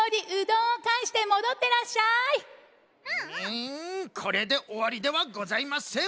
んこれでおわりではございません！